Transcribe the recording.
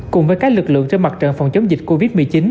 cùng với các lực lượng trên mặt trận phòng chống dịch covid một mươi chín